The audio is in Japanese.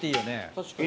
確かに。